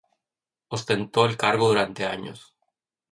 Ostentó el cargo durante dos años.